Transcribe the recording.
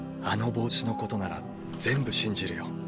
あの帽子のことなら全部信じるよ。